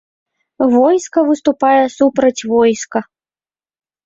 Войска выступае супраць войска.